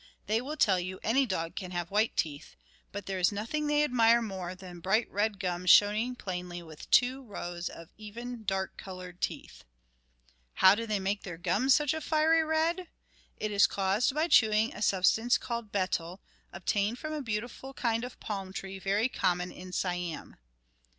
They will tell you, "Any dog can have white teeth." But there is nothing they admire more than bright red gums showing plainly with two rows of even, dark coloured teeth. How do they make their gums such a fiery red? It is caused by chewing a substance called betel, obtained from a beautiful kind of palm tree very common in Siam.